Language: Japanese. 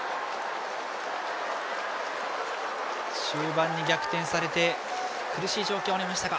終盤に逆転されて苦しい状況でしたが。